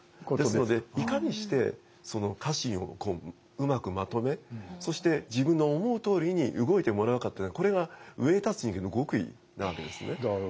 ですのでいかにして家臣をうまくまとめそして自分の思うとおりに動いてもらうかっていうのがこれが上に立つ人間の極意なわけですね。